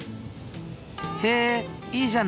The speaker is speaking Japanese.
へえいいじゃない。